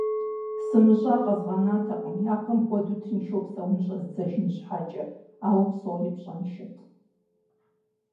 СымыщӀа къэзгъэнатэкъым япэм хуэдэу тыншу псэун щӀэздзэжын щхьэкӀэ, ауэ псори пщӀэншэт.